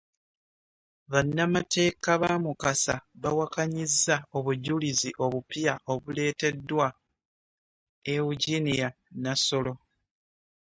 Bannamateeka ba Mukasa bawakanyizza obujulizi obupya obuleeteddwa Eugenia Nassolo.